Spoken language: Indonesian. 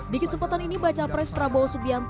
dikit sempatan ini baca pres prabowo subianto